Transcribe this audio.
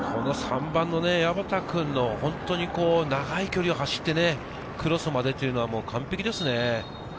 矢端君の長い距離を走ってクロスまでっていうのは完璧ですね。